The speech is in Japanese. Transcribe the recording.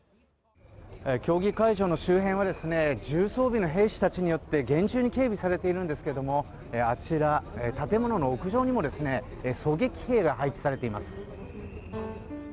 協議会場の周辺は重装備の兵士たちによって厳重に警備されているんですがあちら、建物の屋上にも狙撃兵が配置されています。